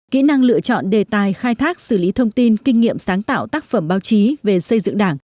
kỹ năng lựa chọn đề tài khai thác xử lý thông tin kinh nghiệm sáng tạo tác phẩm báo chí về xây dựng đảng